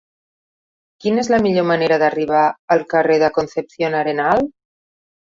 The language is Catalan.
Quina és la millor manera d'arribar al carrer de Concepción Arenal?